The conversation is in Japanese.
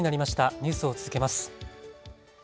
ニュースを続けます。